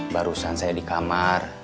barusan saya di kamar